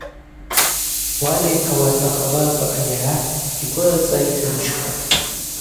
Уали ауат ахабарква анигӏа йгвы рыцӏа йтынчхатӏ.